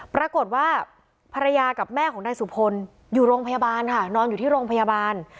ปรากฏว่าภรรยากับแม่ของนายสุพลอยู่โรงพยาบาลค่ะนอนอยู่ที่โรงพยาบาล